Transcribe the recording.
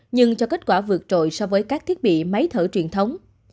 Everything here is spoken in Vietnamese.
nhưng cho kết quả vượt trội so với các thiết bị máy thở truyền thống